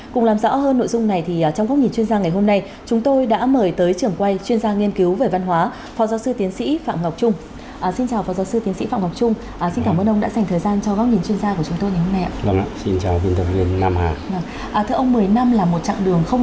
cùng làm rõ hơn nội dung này thì trong góc nhìn chuyên gia ngày hôm nay chúng tôi đã mời tới trưởng quay chuyên gia nghiên cứu về văn hóa phó giáo sư tiến sĩ phạm ngọc trung